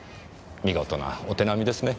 見事なお手並みですね。